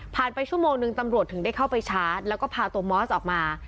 ไปชั่วโมงนึงตำรวจถึงได้เข้าไปชาร์จแล้วก็พาตัวมอสออกมา